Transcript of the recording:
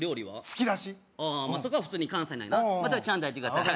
つきだしそこは普通に関西なんやなまたちゃんとやってください